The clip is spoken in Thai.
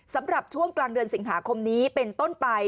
สำหรับช่วงกลางเดือนสิงหาคมนี้เป็นต้นไป